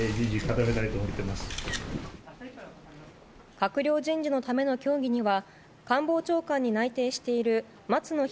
閣僚人事のための協議には官房長官に内定している松野博